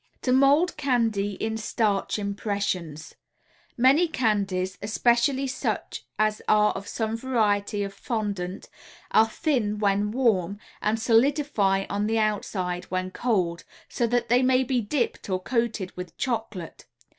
TO MOLD CANDY IN STARCH IMPRESSIONS Many candies, especially such as are of some variety of fondant, are thin when warm and solidify on the outside when cold, so that they may be "dipped" or coated with chocolate.